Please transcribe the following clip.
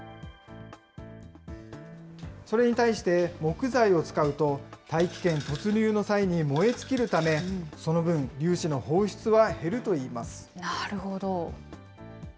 それに対して、木材を使うと、大気圏突入の際に燃え尽きるため、その分、粒子の放出は減るといいなるほど。